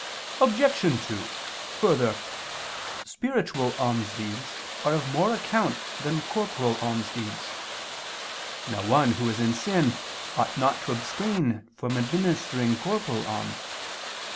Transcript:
Obj. 2: Further, spiritual almsdeeds are of more account than corporal almsdeeds. Now one who is in sin ought not to abstain from administering corporal alms.